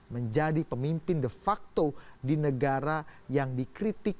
menjadi pemimpin de facto di negara yang dikritik